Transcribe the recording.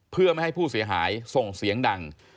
เพื่อไม่ให้ผู้เสียหายส่งเสียงดัง